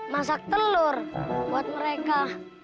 masak telur buat mereka